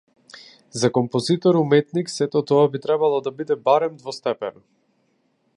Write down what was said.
За композитор-уметник сето тоа би требало да биде барем второстепено.